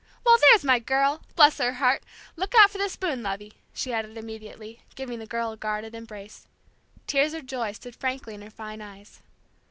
"Well, there's my girl! Bless her heart! Look out for this spoon, lovey," she added immediately, giving the girl a guarded embrace. Tears of joy stood frankly in her fine eyes.